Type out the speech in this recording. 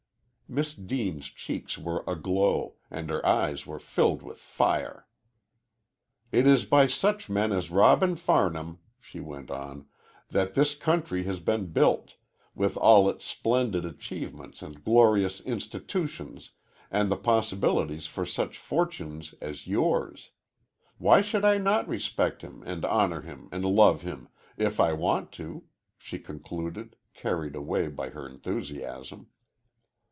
Miss Deane's cheeks were aglow, and her eyes were filled with fire. "It is by such men as Robin Farnham," she went on, "that this country has been built, with all its splendid achievements and glorious institutions, and the possibilities for such fortunes as yours. Why should I not respect him, and honor him, and love him, if I want to?" she concluded, carried away by her enthusiasm.